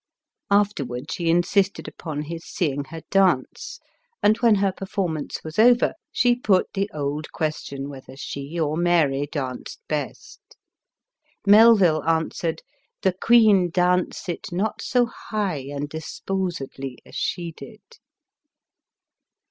After 312 ELIZABETH OF ENGLAND. ward, she insisted upon his seeing her dance; and when her performance was over, she put the old ques tion whether she or Mary danced best. Melville an swered, " The queen dancit not so high and disposedly as she did."